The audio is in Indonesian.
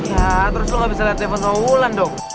ya terus lo gak bisa liat defon maulan dong